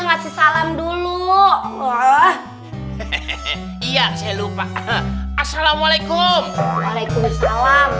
ngasih salam dulu wah iya saya lupa assalamualaikum waalaikumsalam